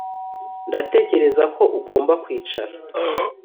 Ndatekereza ko ugomba kwicara